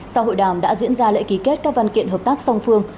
sau hội đàm đã diễn ra lễ ký kết các văn kiện hợp tác song phương